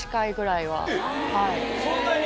そんなに？